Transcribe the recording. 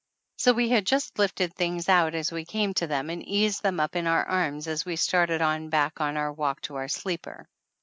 So we had just lifted things out as we came to them and eased them up in our arms as we started on back on our walk to our sleeper.